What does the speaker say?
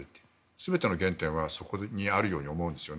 全ての原点はそこにあるように思います。